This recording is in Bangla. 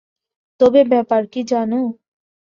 তবে ব্যাপার কী জানো?